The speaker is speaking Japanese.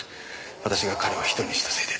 私が彼を１人にしたせいで。